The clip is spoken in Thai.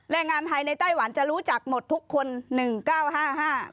แรงงานไทยในไต้หวันจะรู้จักหมดทุกคนหนึ่งเก้าห้าห้า